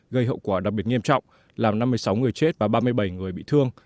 gây hậu quả đặc biệt nghiêm trọng làm năm mươi sáu người chết và ba mươi bảy người bị thương